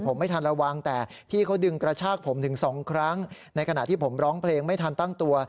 ผมไม่ทันระวังแต่พี่เขาดึงกระชากผมถึงสองครั้งในขณะที่ผมร้องเพลงไม่ทันตั้งตัว